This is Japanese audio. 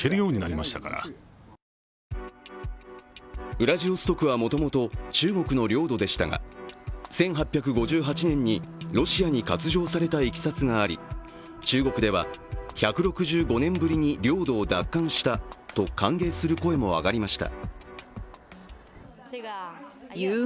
ウラジオストクはもともと中国の領土でしたが、１８５８年にロシアに割譲されたいきさつがあり中国では、１６５年ぶりに領土を奪還したと歓迎する声も上がりました。